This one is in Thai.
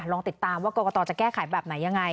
ลองติดตามว่ากรกตจะแก้ไขแบบไหนยังไง